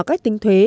cách tính thuế